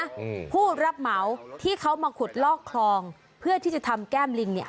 อืมผู้รับเหมาที่เขามาขุดลอกคลองเพื่อที่จะทำแก้มลิงเนี้ย